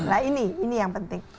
nah ini yang penting